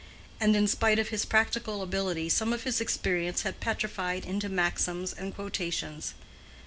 And in spite of his practical ability, some of his experience had petrified into maxims and quotations.